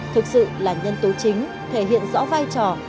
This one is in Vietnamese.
thực sự là nhân tố chính thể hiện rõ vai trò